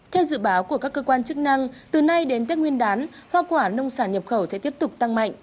theo dự báo của các cơ quan chức năng từ nay đến tết nguyên đán hoa quả nông sản nhập khẩu sẽ tiếp tục tăng mạnh